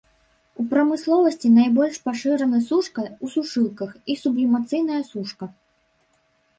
У прамысловасці найбольш пашыраны сушка ў сушылках і сублімацыйная сушка.